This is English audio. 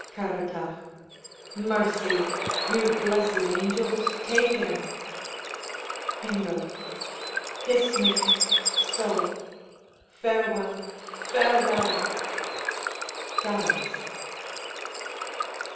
Caratach Mercy! You blessèd angels, take him! Hengo Kiss me: so. Farewell, farewell! [_Dies.